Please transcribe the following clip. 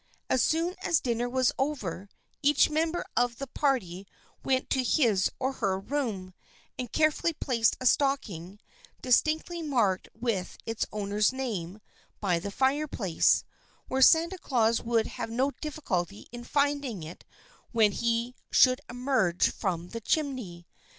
As soon as dinner was over, each mem ber of the party went to his or her room, and care fully placed a stocking, distinctly marked with its owner's name, by the fireplace, where Santa Claus would have no difficulty in finding it when he should emerge from the chimney.